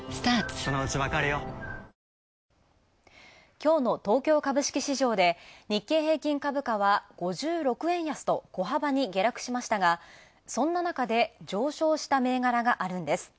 きょうの東京株式市場で日経平均株価は５６円安と小幅に下落しましたがそんななかで、上昇した銘柄があるんです。